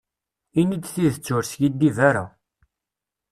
Ini-d tidet, ur skiddib ara.